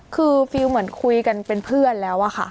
คือฟิลเหมือนคุยกันเป็นเพื่อนแล้วอะค่ะ